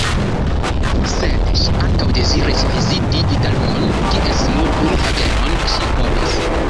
Sed ŝi ankaŭ deziris viziti Italujon, kies nur unu havenon ŝi konis.